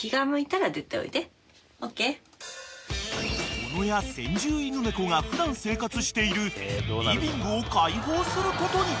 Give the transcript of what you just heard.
［小野や先住犬猫が普段生活しているリビングを開放することに］